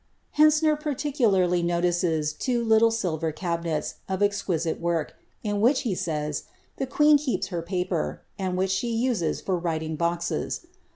Ileniziier particularly notices two little silver cabiiiels. of eiquisiie work, in which, he says, the queen keeps her paper, and which she usm for writing boxes.